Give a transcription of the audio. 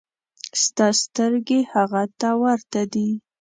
ستا سترګې هغه ته ورته دي.